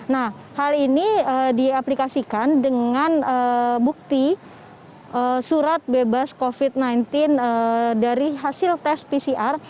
nah hal ini diaplikasikan dengan bukti surat bebas covid sembilan belas dari hasil tes pcr